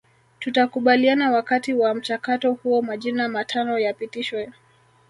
Tukakubaliana Wakati wa mchakato huo majina matano yapitishwe